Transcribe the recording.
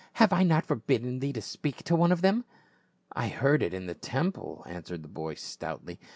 " Have I not forbidden thee to speak to one of them?" " I heard it in the temple," answered the boy stoutly.